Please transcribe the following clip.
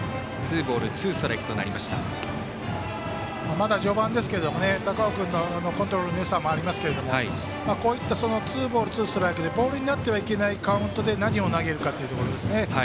まだ序盤ですが、高尾君のコントロールのよさもありますけどこういったツーボールツーストライクでボールになってはいけないカウントで何を投げるかっていうところですね。